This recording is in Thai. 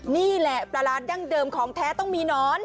นี่แหละปลาร้าดั้งเดิมของแท้ต้องมีหนอน